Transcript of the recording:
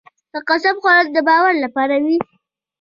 د قسم خوړل د باور لپاره وي.